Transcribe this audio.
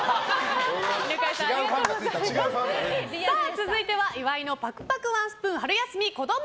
続いては岩井のわんぱくワンスプーン春休み子ども